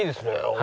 俺